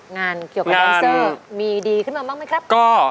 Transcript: งานเกี่ยวกับแดนเซอร์มีดีขึ้นมาบ้างไหมครับ